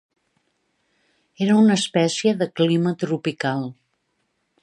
Era una espècie de clima tropical.